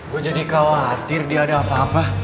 gue jadi khawatir dia ada apa apa